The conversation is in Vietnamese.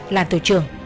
là tổ trưởng